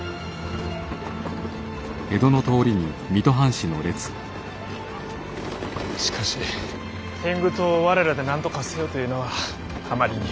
しかし天狗党を我らでなんとかせよというのはあまりに。